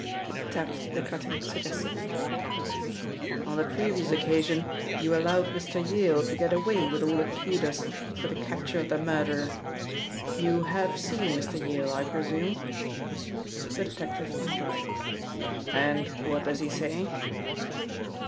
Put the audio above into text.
He tapped the cutting suggestively. "On the previous occasion you allowed Mr. Yale to get away with all the kudos for the capture of the murderer. You have seen Mr. Yale, I presume?" The detective nodded. "And what does he say?"